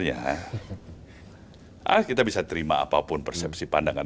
ah kita bisa terima apapun persepsi pandangan